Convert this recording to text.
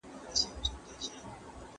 سهار وختي مرغان په سندرو پیل کوي.